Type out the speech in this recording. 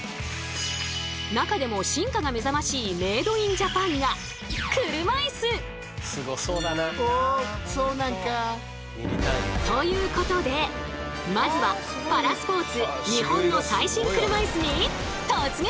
中でも進化がめざましいメードインジャパンがということでまずはパラスポーツ日本の最新車いすに突撃！